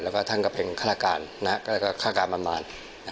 แล้วก็ทั้งกระเพ็งฆาตการณ์และฆาตการณ์มากมาย